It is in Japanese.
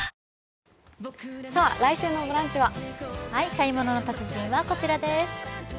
「買い物の達人」はこちらです。